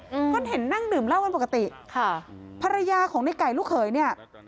อืมก็เห็นนั่งดื่มเหล้ากันปกติค่ะภรรยาของในไก่ลูกเขยเนี้ย